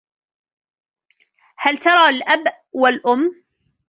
هل ترى الأب و الأُم ؟